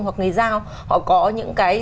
hoặc người giao họ có những cái